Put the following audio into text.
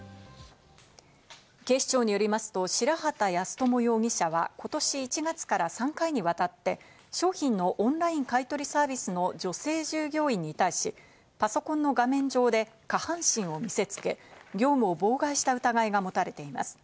警視庁によりますと白籏康友容疑者は今年１月から３回にわたって、商品のオンライン買い取りサービスの女性従業員に対し、パソコンの画面上で下半身を見せつけ、業務を妨害した疑いが持たれています。